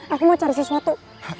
aku mau cari sesuatu